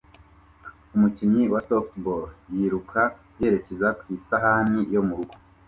Umukinnyi wa softball yiruka yerekeza ku isahani yo murugo